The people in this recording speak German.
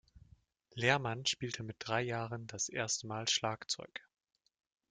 Lehrmann spielte mit drei Jahren das erste Mal Schlagzeug.